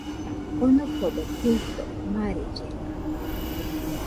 Onokobe kuido, marellena